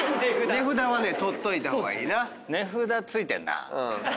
値札は取っといた方がいいわ。